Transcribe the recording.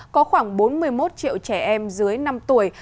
có khoảng bốn mươi một triệu trẻ em dưới năm tuổi